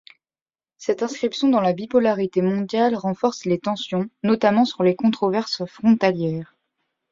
Cette inscription dans la bipolarité mondiale renforce les tensions, notamment sur les controverses frontalières.